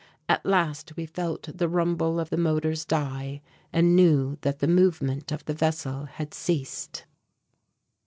At last we felt the rumble of the motors die and knew that the movement of the vessel had ceased.